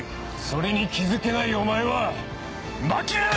それに気付けないお前は負ける！